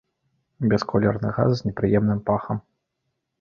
Бясколерны газ з непрыемным пахам.